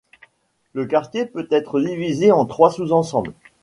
Le quartier peut être divisé en trois sous-ensembles.